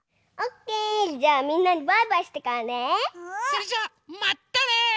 それじゃまったね！